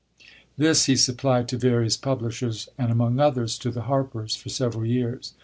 This he supplied to various publishers, and among others to the Harpers, for several years.